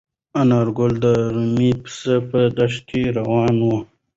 انارګل د رمې پسې په دښته کې روان و.